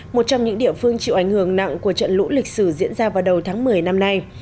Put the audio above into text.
một trong những địa phương chịu ảnh hưởng nặng của trận lũ lịch sử diễn ra vào đầu tháng một mươi năm nay